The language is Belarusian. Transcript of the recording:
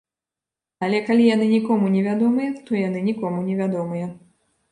Але калі яны нікому не вядомыя, то яны нікому не вядомыя.